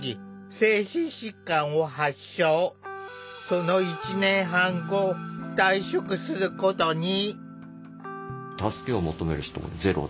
その１年半後退職することに。